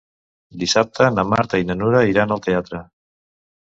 Dissabte na Marta i na Nura iran al teatre.